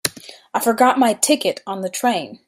I forgot my ticket on the train.